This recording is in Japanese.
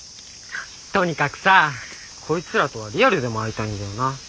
とにかくさこいつらとはリアルでも会いたいんだよな。